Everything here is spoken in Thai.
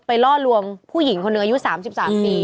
ล่อลวงผู้หญิงคนหนึ่งอายุ๓๓ปี